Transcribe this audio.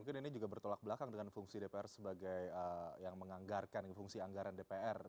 mungkin ini juga bertolak belakang dengan fungsi dpr sebagai yang menganggarkan fungsi anggaran dpr